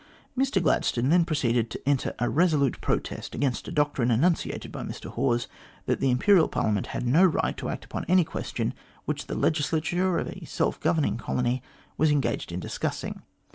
Mr Gladstone then proceeded to enter a resolute protest against a doctrine enunciated by Mr Hawes, that the Imperial Parliament had no right to act upon any question which the legislature of a self governing colony was engaged in discussing.